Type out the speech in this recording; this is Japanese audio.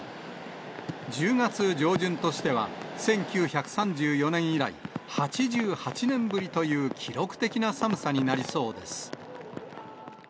１０月上旬としては１９３４年以来８８年ぶりという記録的な寒さになりそうです。